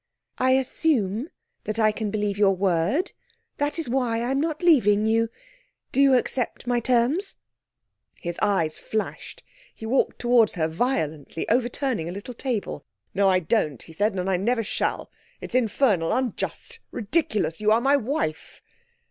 'I assume that I can believe your word that is why I'm not leaving you. Do you accept my terms?' His eyes flashed; he walked towards her violently, overturning a little table. 'No, I don't,' he said, 'and I never shall! It's infernal, unjust, ridiculous. You are my wife!'